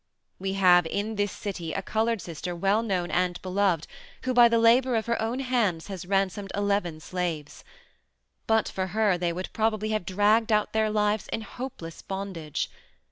We have in this city a colored sister well known and beloved who by the labor of her own hands has ransomed eleven slaves. But for her they would probably have dragged out their lives in hopeless bondage.